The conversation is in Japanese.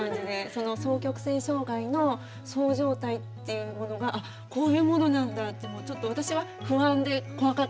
その双極性障害のそう状態っていうものがあっこういうものなんだってちょっと私は不安で怖かったんですね。